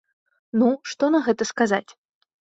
Ну, што на гэта сказаць?